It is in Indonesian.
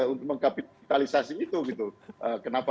untuk mengkapitalisasi itu gitu kenapa